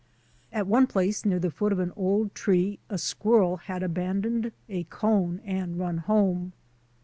At one place near the foot of an old tree a squirrel had abandoned a cone and run home.